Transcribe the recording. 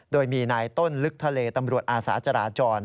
โดยมีนายต้นลึกทะเลตำรวจอาสาจราจร